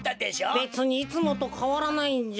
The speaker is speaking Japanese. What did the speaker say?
べつにいつもとかわらないんじゃ。